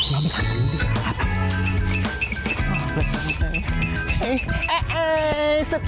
เฮ่ยเรามาถามคุณพี่ดีกว่า